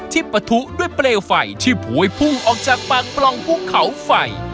ที่ปะทุด้วยเปรียวไฟที่ผวยพุ่งออกจากปากปลองกุ้งเขาไฟ